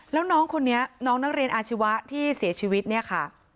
แล้วน้องคนนี้น้องนักเรียนอาชีวะที่เสียชีวิตเนี่ยค่ะ